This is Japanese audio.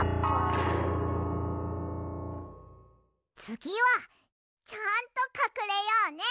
つぎはちゃんとかくれようね。